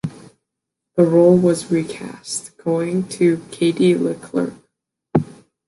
The role was recast, going to Katie Leclerc.